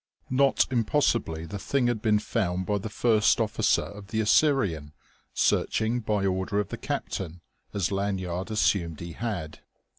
Not impossibly the thing had been found by the first officer of the Assyrian, searching by order of the captain as Lanyard assumed he had.